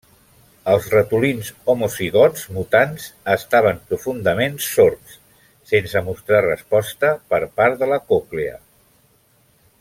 Els ratolins homozigots mutants estaven profundament sords, sense mostrar resposta per part de la còclea.